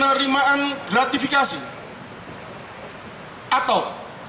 penerimaan gratifikasi atau